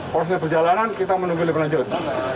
proses perjalanan kita menunggu lebih lanjut